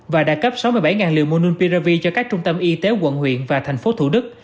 và đã cấp sáu mươi bảy liều monulpiravir cho các trung tâm y tế quận huyện và thành phố thủ đức